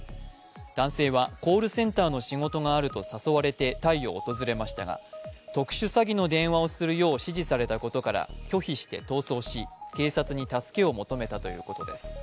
男性はコールセンターの仕事があると誘われてタイを訪れましたが特殊詐欺の電話をするよう指示されたことから拒否して逃走し警察に助けを求めたということです。